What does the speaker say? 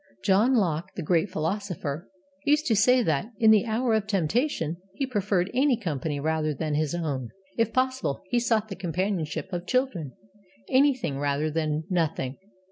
John Locke, the great philosopher, used to say that, in the hour of temptation, he preferred any company rather than his own. If possible, he sought the companionship of children. Anything rather than Nothing.